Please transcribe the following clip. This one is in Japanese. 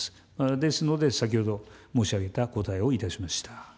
ですので、先ほど申し上げたお答えをいたしました。